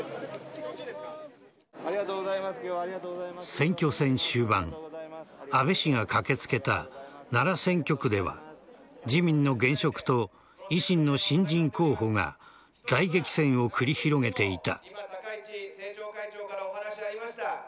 選挙戦終盤安倍氏が駆けつけた奈良選挙区では自民の現職と維新の新人候補が大激戦を繰り広げていた。